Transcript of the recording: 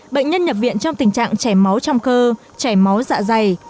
bệnh nhân nhập viện trong tình trạng chảy máu trong cơ chảy máu dạ dày